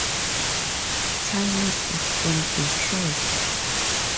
Tynes is from Detroit.